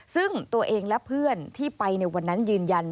ซึ่งตัวเองและเพื่อนที่ไปในวันนั้นยืนยัน